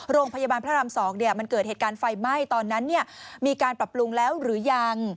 โรงพยาบาลพระราม๒มันเกิดเหตุการณ์ไฟไหม้ตอนนั้นมีการปรับปรุงแล้วหรือยัง